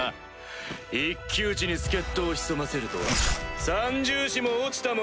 一騎打ちに助っ人を潜ませるとは三獣士も落ちたものよ。